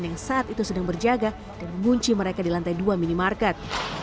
yang saat itu sedang berjaga dan mengunci mereka di lantai dua minimarket